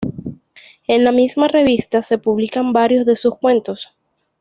En la misma "Revista" se publican varios de sus cuentos.